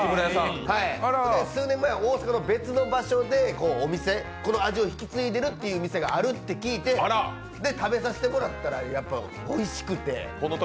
数年前、大阪の別の場所でこの味を引き継いでいる店があると聞いて、食べさせてもらったら、やっぱおいしくて。